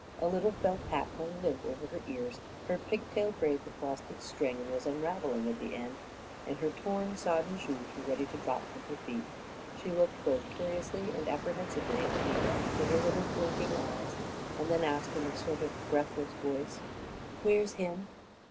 A little felt hat hung limp over her ears; her pigtail braid had lost its string and was unraveling at the end, and her torn, sodden shoes were ready to drop from her feet. She looked both curiously and apprehensively at Alida with her little blinking eyes, and then asked in a sort of breathless voice, "Where's him?"